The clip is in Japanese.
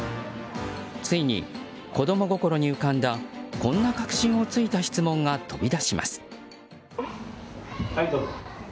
ついに子供心に浮かんだこんな核心を突いた質問が飛び出します。